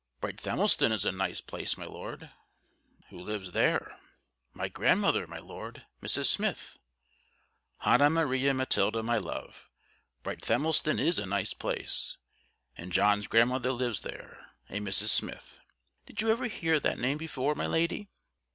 "Brighthelmston is a nice place, my Lord." "Who lives there?" "My grandmother, my Lord Mrs Smith." "Hannah Maria Matilda, my love, Brighthelmston is a nice place, and John's grandmother lives there a Mrs. Smith. Did you ever hear that name before, my Lady?"